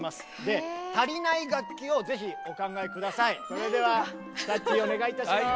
それではさっちーお願いいたします。